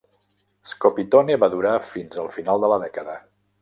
Scopitone va durar fins al final de la dècada.